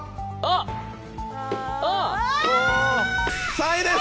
３位です！